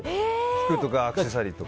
服とかアクセサリーとか。